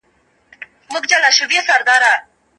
ګلالۍ د دسترخوان پاتې شوني ټول کړل.